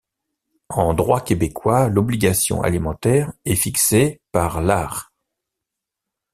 En droit québécois, l'obligation alimentaire est fixée par l'art.